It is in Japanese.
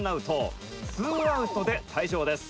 「ツーアウトで退場です」